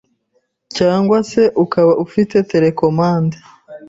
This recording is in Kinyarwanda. cyangwa se ukaba ufite telecommande